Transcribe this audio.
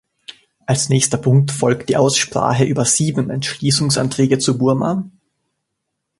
Als nächster Punkt folgt die Aussprache über sieben Entschließungsanträge zu Burma.